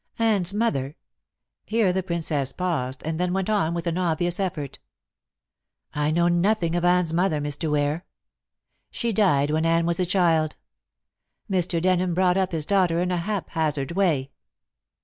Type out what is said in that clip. Anne's mother" here the Princess paused, and then went on with an obvious effort "I know nothing of Anne's mother, Mr. Ware. She died when Anne was a child. Mr. Denham brought up his daughter in a haphazard way."